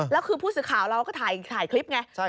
แล้วคือผู้สื่อข่าวเราก็ถ่ายคลิปไง